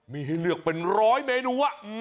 มีให้เลือกเป็นร้อยเมนู